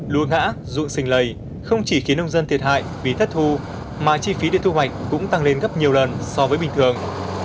lúa ngã rụ sình lầy không chỉ khiến nông dân thiệt hại vì thất thu mà chi phí điện thu hoạch cũng tăng lên gấp nhiều lần so với bình thường